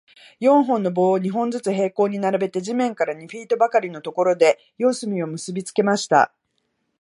四本の棒を、二本ずつ平行に並べて、地面から二フィートばかりのところで、四隅を結びつけました。